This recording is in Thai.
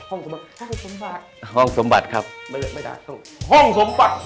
ห้องสมบัติห้องสมบัติครับห้องสมบัติครับไม่ได้ห้องสมบัติ